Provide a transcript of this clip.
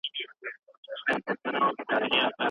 هغه عوايد د پياوړي نظام لپاره بسنه نه کوله.